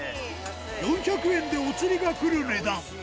４００円でお釣りがくる値段。